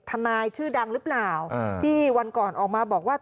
ทนายชื่อดังหรือเปล่าที่วันก่อนออกมาบอกว่า